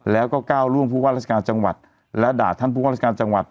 แล้วก็ก้าวล่วงผู้ว่าราชการจังหวัดและด่าท่านผู้ว่าราชการจังหวัด